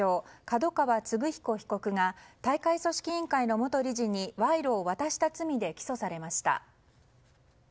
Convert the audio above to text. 角川歴彦被告が大会組織委員会の元理事に賄賂を渡した罪で起訴されました。